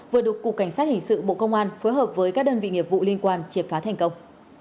vừa được cục cảnh sát hình sự bộ công an phối hợp với các đơn vị nghiệp vụ liên quan triệt phá thành công